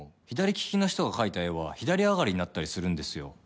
左利きの人が描いた絵は左上がりになったりするんですよ。